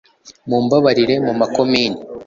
mumbabarire mu makomini' ..